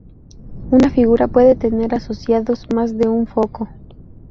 Una figura puede tener asociados más de un foco.